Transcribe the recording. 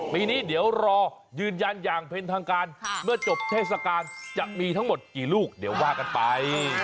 ปีนี้เดี๋ยวรอยืนยันอย่างเป็นทางการเมื่อจบเทศกาลจะมีทั้งหมดกี่ลูกเดี๋ยวว่ากันไป